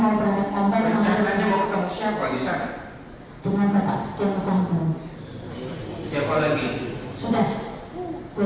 berantakannya mau bertemu siapa lagi saya